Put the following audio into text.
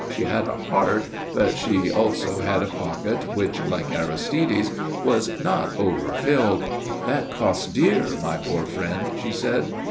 She had a heart, but she also had a pocket which, like Aristide's, was not over filled. "That costs dear, my poor friend," she said.